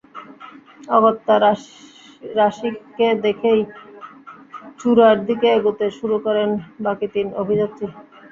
অগত্যা রাশিককে রেখেই চূড়ার দিকে এগোতে শুরু করেন বাকি তিন অভিযাত্রী।